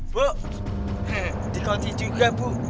bu dikoti juga bu